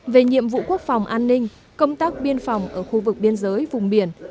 về nhiệm vụ quốc phòng an ninh công tác biên phòng ở khu vực biên giới vùng biển